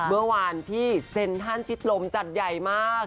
เมื่อวานที่เซ็นทรัลชิดลมจัดใหญ่มาก